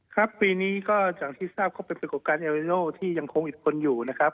ครับปีนี้ก็อย่างที่ทราบก็เป็นประสบการณ์เอลริโนที่ยังคงอิดคนอยู่นะครับ